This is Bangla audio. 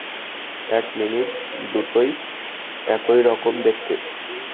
এক মিনিট দুটোই একই রকম দেখতে।